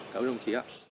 cảm ơn đồng chí ạ